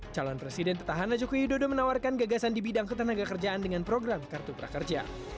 calon presiden petahana jokowi dodo menawarkan gagasan di bidang ketenaga kerjaan dengan program kartu prakerja